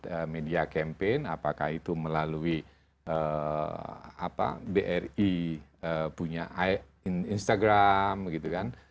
ada media campaign apakah itu melalui bri punya instagram gitu kan